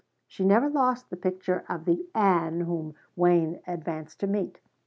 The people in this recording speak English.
She never lost the picture of the Ann whom Wayne advanced to meet.